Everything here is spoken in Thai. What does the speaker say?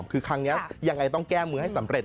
คือครั้งนี้ยังไงต้องแก้มือให้สำเร็จ